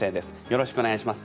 よろしくお願いします。